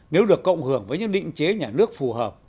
nếu được cộng hưởng với những định chế nhà nước phù hợp